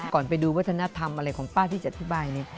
ไปดูวัฒนธรรมอะไรของป้าที่จะอธิบายนี้